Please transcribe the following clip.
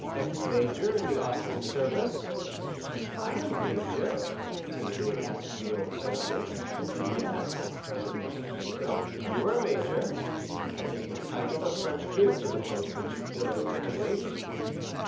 "Ex major in the Austrian service?" "Was I a major?" timidly asked the old soldier. "Yes," said Monte Cristo "you were a major; that is the title the French give to the post which you filled in Italy."